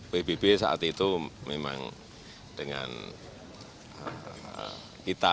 pbb saat itu memang dengan kita